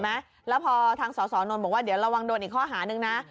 แล้วพอทางสสนนท์บอกว่าเดี๋ยวระวังโดนอีกข้อหานึงนะ